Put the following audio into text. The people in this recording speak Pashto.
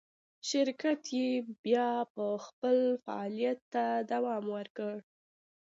شرکت یې بیا هم خپل فعالیت ته دوام ورکړ.